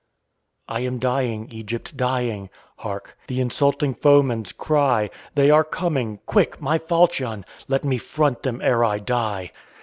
"I am dying, Egypt, dying! Hark! the insulting foeman's cry. They are coming! quick! my falchion!! Let me front them ere I die.